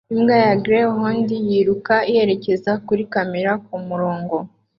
imbwa ya greyhound yiruka yerekeza kuri kamera kumurongo